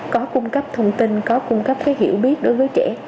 có cung cấp thông tin có cung cấp cái hiểu biết đối với trẻ